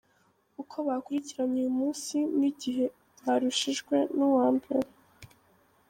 Uko bakurikiranye uyu munsi n’igihe barushijwe n’uwa mbere